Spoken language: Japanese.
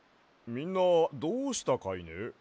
みんなどうしたかいね？